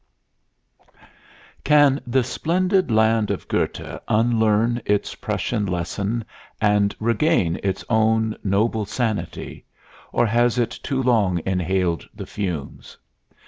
XII Can the splendid land of Goethe unlearn its Prussian lesson and regain its own noble sanity, or has it too long inhaled the fumes?